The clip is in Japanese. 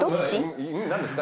何ですか？